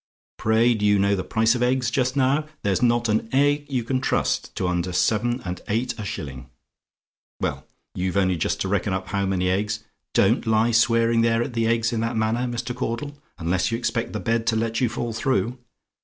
pray do you know the price of eggs just now? There's not an egg you can trust to under seven and eight a shilling; well, you've only just to reckon up how many eggs don't lie swearing there at the eggs in that manner, Mr. Caudle; unless you expect the bed to let you fall through.